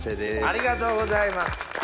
ありがとうございます。